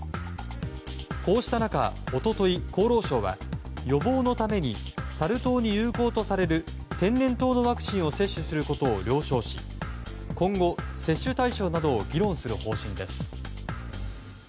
こうした中、一昨日厚労省は予防のためにサル痘に有効とされる天然痘のワクチンを接種することを了承し今後、接種対象などを議論する方針です。